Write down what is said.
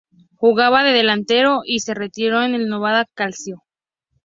Jugaba de delantero y se retiró en el Novara Calcio.